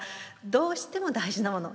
どうしても大事なもの